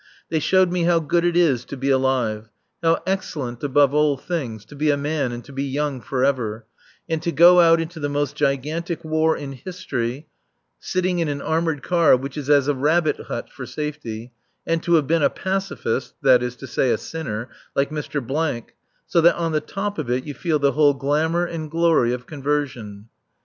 They showed me how good it is to be alive; how excellent, above all things, to be a man and to be young for ever, and to go out into the most gigantic war in history, sitting in an armoured car which is as a rabbit hutch for safety, and to have been a pacifist, that is to say a sinner, like Mr. , so that on the top of it you feel the whole glamour and glory of conversion.